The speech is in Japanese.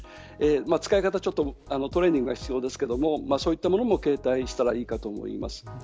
使い方はトレーニングが必要ですがそういったものも携帯したらいいと思います。